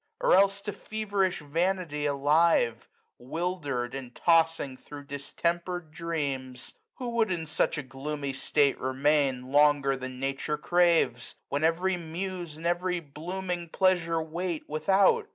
Or else to feverish vanity alive, 75 Wildered, and tossing thro* distempered dreams } Who would in such a gloomy state remain Longer than Nature craves ; when every Muse And every blooming pleasure wait without.